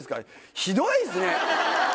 ひどいですね。